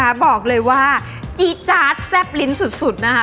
บอกเลยว่าจี๊จาดแซ่บลิ้นสุดนะคะ